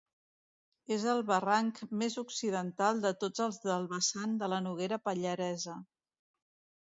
És el barranc més occidental de tots els del vessant de la Noguera Pallaresa.